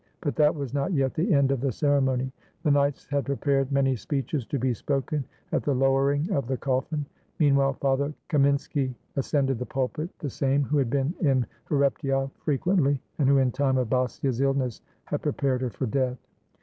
But that was not yet the end of the ceremony. The knights had prepared many speeches to be spoken at the lowering of the coffin; meanwhile Father Kamin ski ascended the pulpit, — the same who had been in Hreptyoff frequently, and who in time of Basia's illness had prepared her for death.